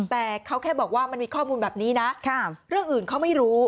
แต่เขาแค่บอกว่ามันมีข้อมูลแบบนี้นะเรื่องอื่นเขาไม่รู้